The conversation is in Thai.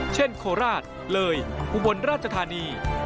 เช่นโคราชเหลยอุบลราชธานี